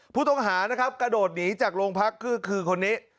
ผู้ต้องหานะครับกระโดดหนีจากโรงพักคือคนนี้